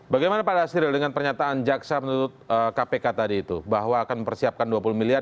bagaimana pak dasril dengan pernyataan jaksa penuntut kpk tadi itu bahwa akan mempersiapkan dua puluh miliar